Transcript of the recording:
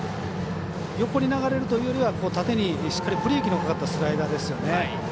横に流れるというよりは縦にしっかりブレーキのかかったスライダーですよね。